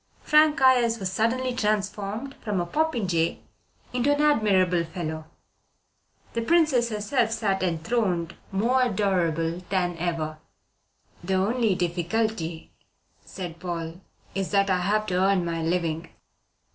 Frank Ayres was suddenly transformed from a popinjay into an admirable fellow. The Princess herself sat enthroned more adorable than ever. "The only difficulty," said Paul, "is that I have to earn my living."